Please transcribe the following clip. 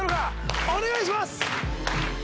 お願いします！